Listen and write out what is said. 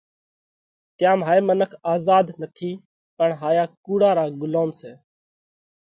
تيام هائي منک آزاڌ نٿِي پڻ هايا ڪُوڙ را ڳُلوم سئہ۔